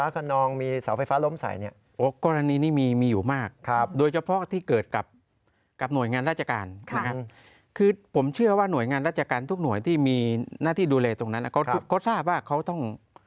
ก็คือดูแลตรงนั้นเขารู้ว่าเขาต้อง